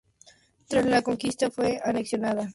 Tras la Reconquista, fue anexionada a la Corona de Aragón.